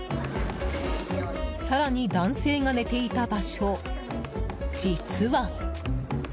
更に、男性が寝ていた場所実は。